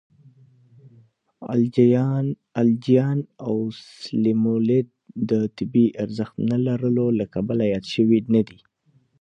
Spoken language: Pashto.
الجیان او سلیمولد د طبی ارزښت نه لرلو له کبله یاد شوي نه دي.